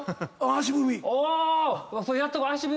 足踏み。